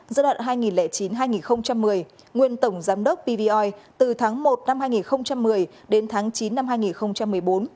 giai đoạn hai nghìn chín hai nghìn một mươi nguyên tổng giám đốc pvoi từ tháng một năm hai nghìn một mươi đến tháng chín năm hai nghìn một mươi bốn